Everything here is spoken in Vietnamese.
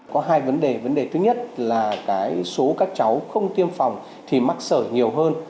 có hai vấn đề vấn đề thứ nhất là số các cháu không tiêm phòng thì mắc sởi nhiều hơn